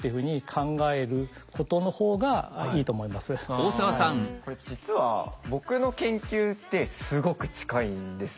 ある意味これ実は僕の研究ってすごく近いんですよ。